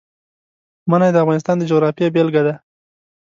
منی د افغانستان د جغرافیې بېلګه ده.